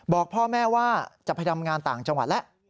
บอกพ่อแม่ว่าจะไปทำงานต่างจังหวัดแล้ว